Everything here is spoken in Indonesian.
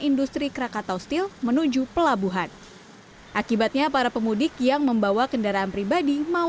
industri krakatau steel menuju pelabuhan akibatnya para pemudik yang membawa kendaraan pribadi mau